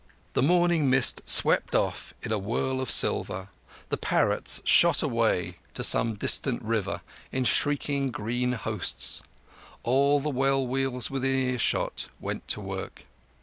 The morning mist swept off in a whorl of silver, the parrots shot away to some distant river in shrieking green hosts: all the well wheels within ear shot went to work.